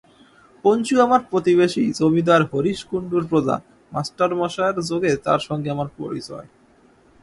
পঞ্চু আমার প্রতিবেশী জমিদার হরিশ কুণ্ডুর প্রজা, মাস্টারমশায়ের যোগে তার সঙ্গে আমার পরিচয়।